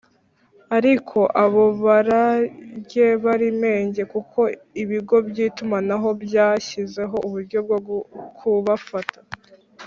ariko abo bararye bari menge kuko ibigo by’itumanaho byashyizeho uburyo bwo kubafata